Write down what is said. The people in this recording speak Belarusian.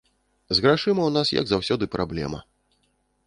З грашыма ў нас, як заўсёды, праблема.